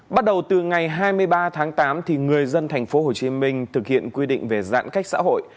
bắt đầu từ ngày hai mươi ba tháng tám người dân thành phố hồ chí minh thực hiện quy định về giãn cách xã hội